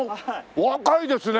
お若いですね！